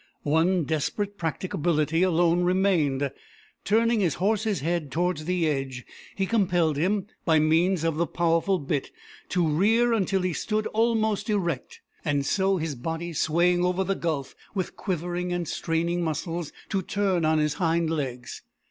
One desperate practicability alone remained. Turning his horse's head towards the edge, he compelled him, by means of the powerful bit, to rear till he stood almost erect; and so, his body swaying over the gulf, with quivering and straining muscles, to turn on his hind legs.